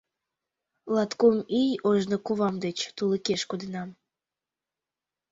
— Латкум ий ожно кувам деч тулыкеш кодынам.